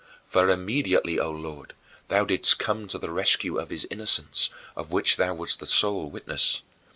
For immediately, O Lord, thou didst come to the rescue of his innocence, of which thou wast the sole witness.